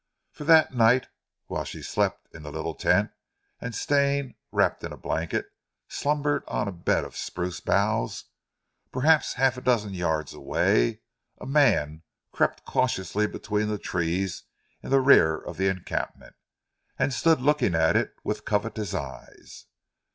For that night, whilst she slept in the little tent, and Stane, wrapped in a blanket, slumbered on a bed of spruce boughs, perhaps half a dozen yards away, a man crept cautiously between the trees in the rear of the encampment, and stood looking at it with covetous eyes.